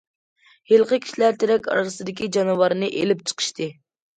ھېلىقى كىشىلەر تېرەك ئارىسىدىكى جانىۋارنى ئېلىپ چىقىشتى.